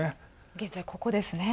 現在ここですね。